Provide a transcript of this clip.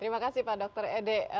terima kasih pak dr ede